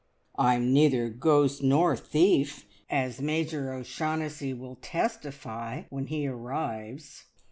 "I'm neither ghost nor thief, as Major O'Shaughnessy will testify when he arrives.